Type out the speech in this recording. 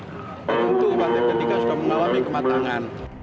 tentu partai p tiga sudah mengalami kematangan